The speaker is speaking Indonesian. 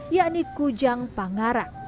yakni kujang pangarang